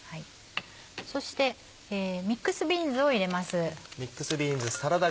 そして「ミックスビーンズ」を入れます。